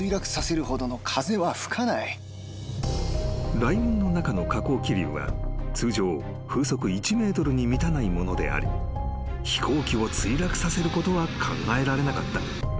［雷雲の中の下降気流は通常風速１メートルに満たないものであり飛行機を墜落させることは考えられなかった］